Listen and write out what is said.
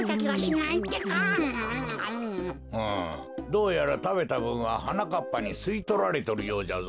うんどうやらたべたぶんははなかっぱにすいとられとるようじゃぞ。